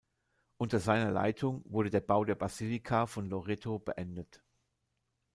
Unter seiner Leitung wurde der Bau der Basilika von Loreto beendet.